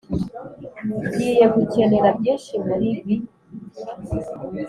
ngiye gukenera byinshi muribi.